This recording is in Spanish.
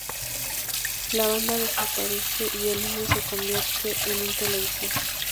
La banda desaparece y el niño se convierte en un televisor.